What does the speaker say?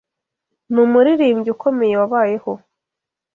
Ni umuririmbyi ukomeye wabayeho.